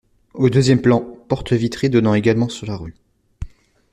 Au deuxième plan, porte vitrée donnant également sur la rue.